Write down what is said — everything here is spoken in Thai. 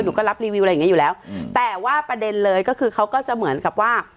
ก็รับรีวิวอะไรอย่างเงี้อยู่แล้วแต่ว่าประเด็นเลยก็คือเขาก็จะเหมือนกับว่า